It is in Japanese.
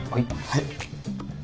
はい。